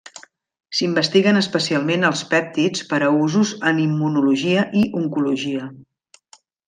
S'investiguen especialment els pèptids per a usos en immunologia i oncologia.